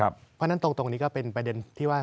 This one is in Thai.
เพราะฉะนั้นตรงนี้ก็เป็นประเด็นที่ว่า